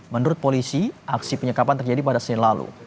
menurut polisi aksi penyekapan terjadi pada senin lalu